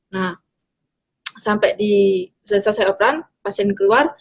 nah sampai selesai operan pasien keluar